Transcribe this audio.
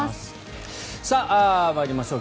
参りましょう。